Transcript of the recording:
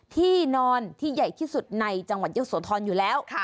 ที่นอนที่ใหญ่ที่สุดในจังหวัดเยอะโสธรอยู่แล้ว